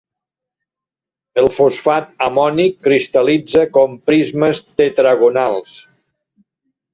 El fosfat amònic cristal·litza com prismes tetragonals.